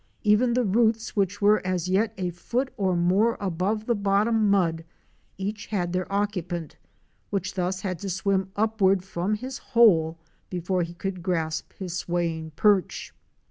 Even the roots which were as yet a foot or more above the bottom mud each had their occupant, which thus had to swim upward from his hole before he could grasp his swaying perch.